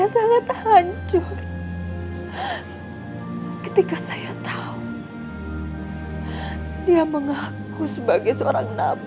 salam yang mulia